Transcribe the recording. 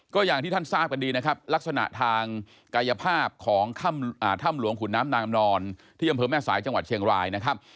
ก็อย่างที่ท่านทราบกันดีนะครับลักษณะทางกายภาพของถ้ำหลวงขุนน้ำนางนอนที่อำเภอแม่สายจังหวัดเชียงรายนะครับ